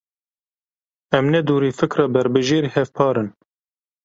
Em ne dûrî fikra berbijêrê hevpar in.